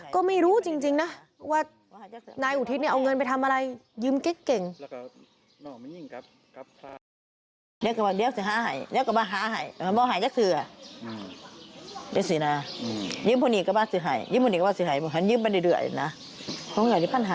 ก็ไม่รู้จริงนะว่านายอุทิศเนี่ยเอาเงินไปทำอะไรยืมเก๊กเก่ง